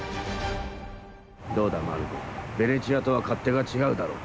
どうだマルコベネチアとは勝手が違うだろう。